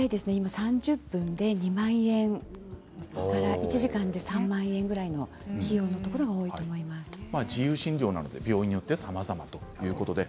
３０分で２万円ぐらいから１時間で３万円ぐらいの自由診療なので病院によってさまざまということですね。